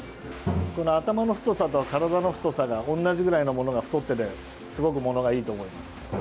頭の太さと体の太さが同じぐらいのものが、太っていてすごく、ものがいいと思います。